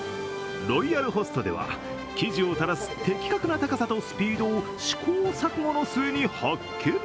ロイヤルホストでは、生地をたらす的確な高さとスピードを試行錯誤の末に発見。